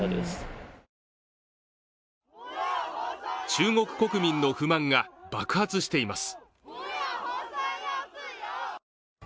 中国国民の不満が爆発しています。